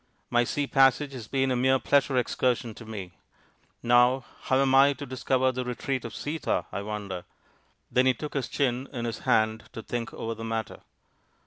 " My sea passage has been a mere pleasure excursion to me. Now, how am I to dis cover the retreat of Sita, I wonder ?" Then he took his chin in his hand to think over the matter.